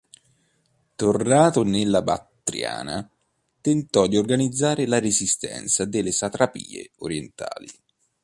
Tornato nella Battriana, tentò di organizzare la resistenza delle satrapie orientali.